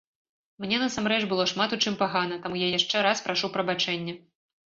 Мне насамрэч было шмат у чым пагана, таму я яшчэ раз прашу прабачэння!